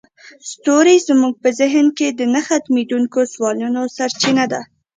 ستوري زموږ په ذهن کې د نه ختمیدونکي سوالونو سرچینه ده.